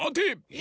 え？